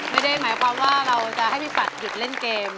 ไม่ได้หมายความว่าเราจะให้พี่ปัดหยุดเล่นเกม